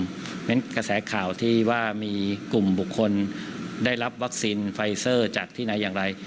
เพราะฉะนั้นกระแสข่าวที่ว่ามีกลุ่มบุคคลได้รับวัคซีนไฟเซอร์จากที่ไหนอย่างไร